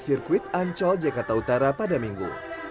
sirkuit ancol jakarta utara pada minggu